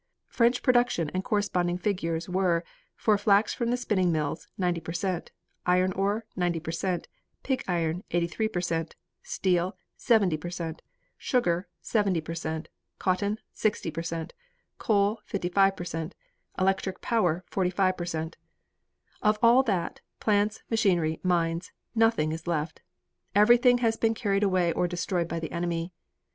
French production and corresponding figures were: For flax from the spinning mills, 90 per cent; iron ore, 90 per cent; pig iron, 83 per cent; steel, 70 per cent; sugar, 70 per cent; cotton, 60 per cent; coal 55 per cent; electric power, 45 per cent. Of all that, plants, machinery, mines, nothing is left. Everything has been carried away or destroyed by the enemy.